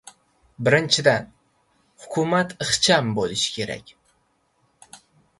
Birinchidan, hukumat ixcham bo‘lishi kerak.